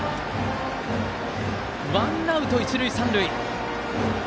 ワンアウト、一塁三塁。